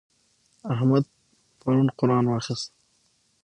احمد پرون قرآن واخيست.